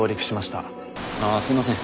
ああすいません。